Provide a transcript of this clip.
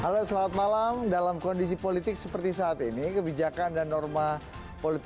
halo selamat malam dalam kondisi politik seperti saat ini kebijakan dan norma politik